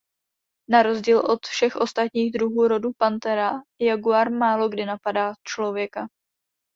Na rozdíl od všech ostatních druhů rodu "Panthera" jaguár málokdy napadá člověka.